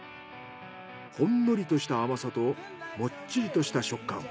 ほんのりとした甘さともっちりとした食感。